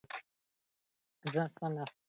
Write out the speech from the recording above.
زه نه سر لاری د کوم کاروان یم